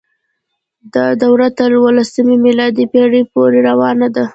دا دوره تر اوولسمې میلادي پیړۍ پورې روانه وه.